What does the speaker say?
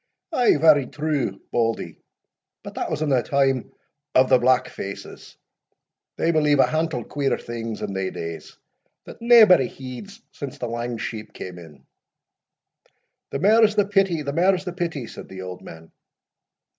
"Ay, very true, Bauldie, but that was in the time o' the blackfaces they believed a hantle queer things in thae days, that naebody heeds since the lang sheep cam in." "The mair's the pity, the mair's the pity," said the old man.